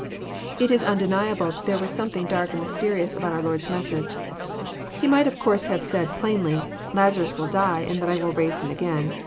It is nndcnlable that there was something dark and mysterioaa aboat our Lord's message. He might of course have said plainly, ''Lazams will die, and then I will raise him again.